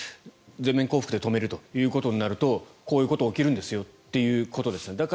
全面降伏で止めるということになるとこういうことが起きるんですよっていうことですよね。